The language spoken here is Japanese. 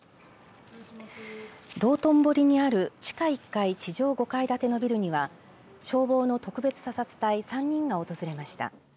道頓堀にある地下１階地上５階建てのビルには消防の特別査察隊３人が訪れました。